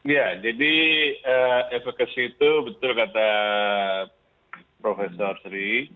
ya jadi efekasi itu betul kata profesor sri